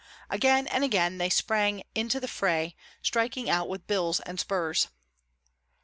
Again and again they sprang into the fray, striking out with bills and spurs.